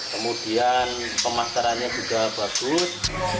kemudian pemasarannya juga bagus